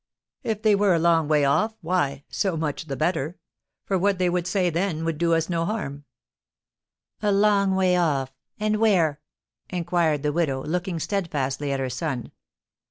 If they were a long way off, why, so much the better; for what they would then say would do us no harm." "A long way off, and where?" inquired the widow, looking steadfastly at her son.